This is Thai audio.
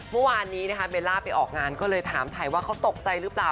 เมื่อวานนี้นะคะเบลล่าไปออกงานก็เลยถามไทยว่าเขาตกใจหรือเปล่า